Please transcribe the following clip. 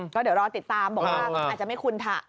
ก็เดี๋ยวรอติดตามบอกว่าอาจจะไม่คุ้นถะ